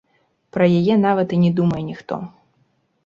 Пра яе нават і не думае ніхто.